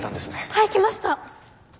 はい来ました！